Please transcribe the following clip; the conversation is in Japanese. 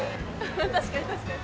確かに、確かに。